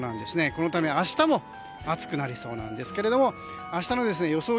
このため、明日も暑くなりそうなんですけれども明日の予想